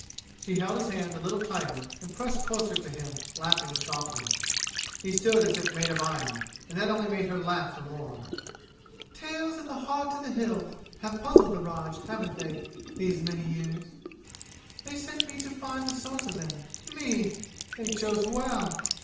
She held his hand a little tighter and pressed closer to him, laughing softly. He stood as if made of iron, and that only made her laugh the more. "Tales of the 'Heart of the Hills' have puzzled the Raj, haven't they, these many years? They sent me to find the source of them. Me! They chose well!